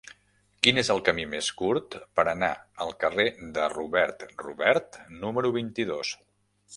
Quin és el camí més curt per anar al carrer de Robert Robert número vint-i-dos?